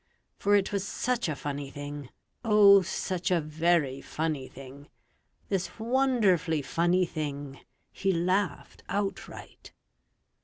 For it was such a funny thing, O, such a very funny thing, This wonderfully funny thing, He Laughed Outright.